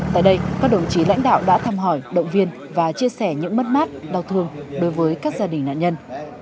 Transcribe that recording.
tại đây các đồng chí lãnh đạo đã thăm hỏi động viên và chia sẻ những mất mát đau thương đối với các gia đình nạn nhân